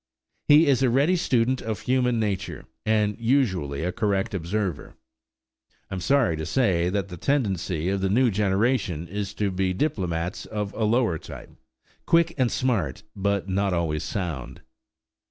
He is a ready student of human nature, and usually a correct observer. I am sorry to say that the tendency of the new generation is to be diplomats of a lower type, quick and smart, but not always sound.